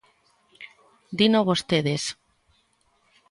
Dino vostedes.